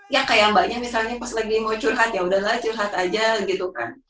ya kayak mbaknya misalnya pas lagi mau curhat ya udahlah curhat aja gitu kan